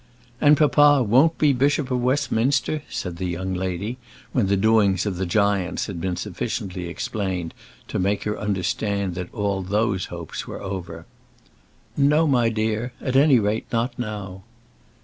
"And papa won't be Bishop of Westminster?" said the young lady, when the doings of the giants had been sufficiently explained to make her understand that all those hopes were over. "No, my dear; at any rate not now."